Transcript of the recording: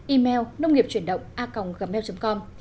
email nông nghiệp chuyển động a gmail com